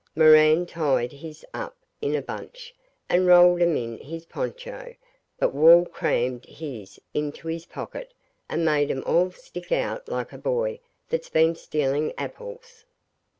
Moran tied his up in a bunch, and rolled 'em in his poncho; but Wall crammed his into his pocket and made 'em all stick out like a boy that's been stealing apples.